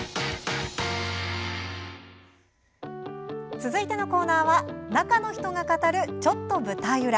続いてのコーナーは中の人が語る「ちょっと舞台裏」。